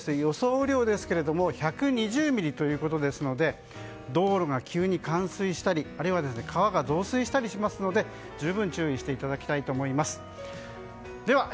雨量は１２０ミリということですので道路が急に冠水したりあるいは川が増水したりしますので十分注意していただきたいと思います。